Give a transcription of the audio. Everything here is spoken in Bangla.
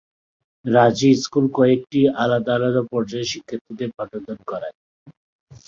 রাজি স্কুল কয়েকটি আলাদা আলাদা পর্যায়ে শিক্ষার্থীদের পাঠদান করায়।